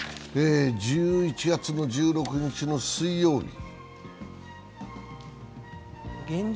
１１月の１６日の水曜日。